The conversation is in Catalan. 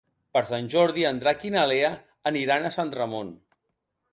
Per Sant Jordi en Drac i na Lea aniran a Sant Ramon.